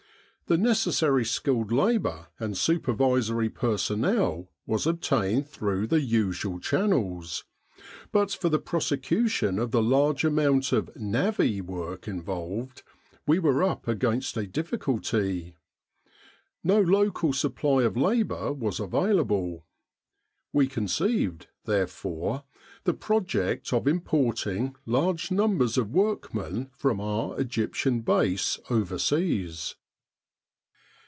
The necessary skilled labour and super visory personnel was obtained through the usual channels; but for the prosecution of the large amount of " navvy" work involved we were up against a difficulty. No local supply of labour was available. We conceived, therefore, the project of importing large numbers of workmen from our Egyptian Base overseas.